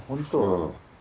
うん。